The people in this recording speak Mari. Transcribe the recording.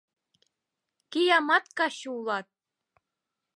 — Киямат каче улат!..